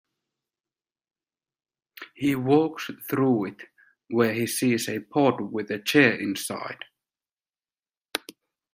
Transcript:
He walks through it, where he sees a pod with a chair inside.